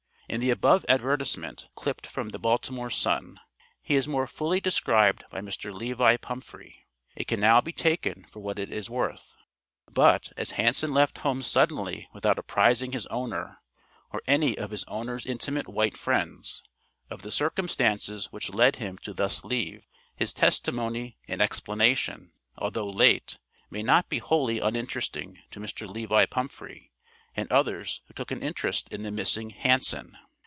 In the above advertisement clipped from the Baltimore Sun, he is more fully described by Mr. Levi Pumphrey; it can now be taken for what it is worth. But, as Hanson left home suddenly without apprising his owner, or any of his owner's intimate white friends, of the circumstances which led him to thus leave, his testimony and explanation, although late, may not be wholly uninteresting to Mr. Levi Pumphrey and others who took an interest in the missing "Hanson."